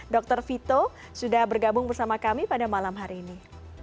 dr vito sudah bergabung bersama kami pada malam hari ini